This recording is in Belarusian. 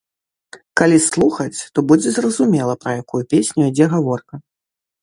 Калі слухаць, то будзе зразумела, пра якую песню ідзе гаворка.